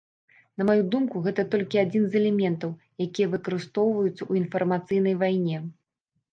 На маю думку, гэта толькі адзін з элементаў, якія выкарыстоўваюцца ў інфармацыйнай вайне.